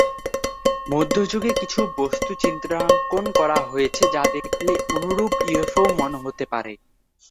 মধ্যযুগে কিছু বস্তু চিত্রাঙ্কন করা হয়েছে যা দেখলে অনুরূপ ইউএফও মনে হতে পারে।